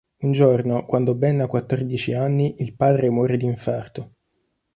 Un giorno, quando Ben ha quattordici anni, il padre muore di infarto.